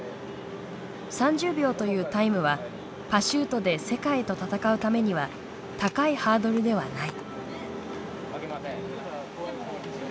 ３０秒というタイムはパシュートで世界と戦うためには高いハードルではない。